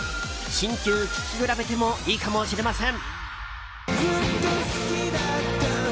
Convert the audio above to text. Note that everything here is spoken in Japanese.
新旧、聞き比べてもいいかもしれません。